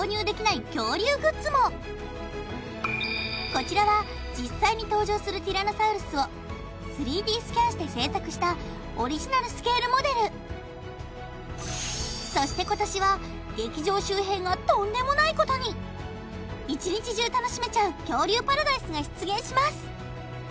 こちらは実際に登場するティラノサウルスを３Ｄスキャンして製作したオリジナルスケールモデルそして今年は劇場周辺がとんでもないことに一日中楽しめちゃう恐竜パラダイスが出現します